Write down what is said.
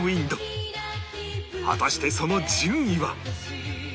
果たしてその順位は